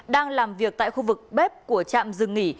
đang làm việc tại khu vực bếp của trạm dừng nghỉ